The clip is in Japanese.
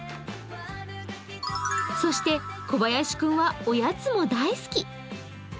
そして、小林くんはおやつも大好き。